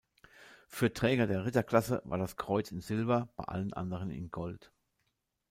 Für Träger der Ritterklasse war das Kreuz in Silber, bei allen anderen in Gold.